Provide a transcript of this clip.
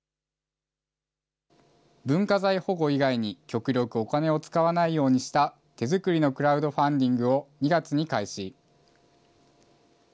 文化財保護以外に極力お金を使わないようにした、手作りのクラウドファンディングを２月に開始。